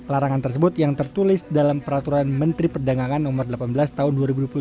larangan tersebut yang tertulis dalam peraturan menteri perdagangan no delapan belas tahun dua ribu dua puluh satu